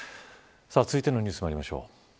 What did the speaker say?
続いてのニュースにまいりましょう。